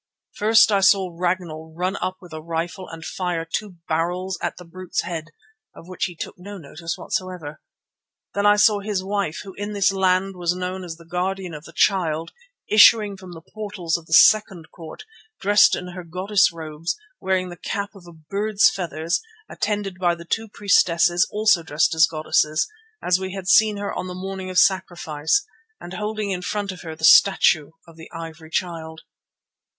First I saw Ragnall run up with a rifle and fire two barrels at the brute's head, of which he took no notice whatsoever. Then I saw his wife, who in this land was known as the Guardian of the Child, issuing from the portals of the second court, dressed in her goddess robes, wearing the cap of bird's feathers, attended by the two priestesses also dressed as goddesses, as we had seen her on the morning of sacrifice, and holding in front of her the statue of the Ivory Child.